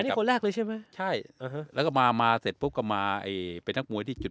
อันนี้คนแรกเลยใช่ไหมใช่แล้วก็มามาเสร็จปุ๊บก็มาไอ้เป็นน้องตุ้มที่จุด